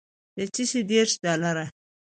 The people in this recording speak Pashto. د چشي دېرش ډالره.